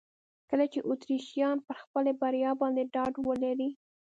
کله چې اتریشیان پر خپلې بریا باندې ډاډ ولري.